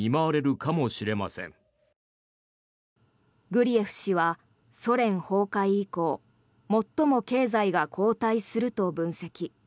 グリエフ氏はソ連崩壊以降最も経済が後退すると分析。